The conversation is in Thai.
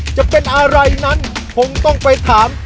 จะเป็นอะไรนั้นคงต้องไปถาม